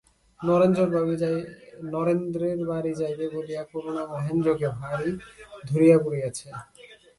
নরেন্দ্রের বাড়ি যাইবে বলিয়া করুণা মহেন্দ্রকে ভারি ধরিয়া পড়িয়াছে।